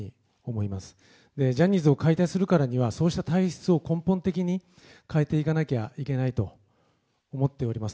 ジャニーズを解体するからにはそうした体質を根本的に変えていかなきゃいけないと思っています。